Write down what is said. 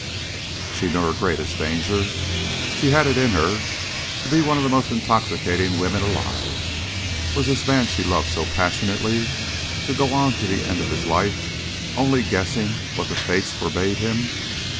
She knew her greatest danger. She had it in her to be one of the most intoxicating women alive. Was this man she loved so passionately to go on to the end of his life only guessing what the Fates forbade him?